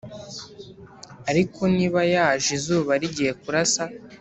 Ariko niba yaje izuba rigiye kurasa